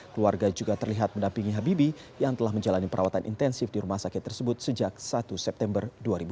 keluarga juga terlihat mendampingi habibie yang telah menjalani perawatan intensif di rumah sakit tersebut sejak satu september dua ribu dua puluh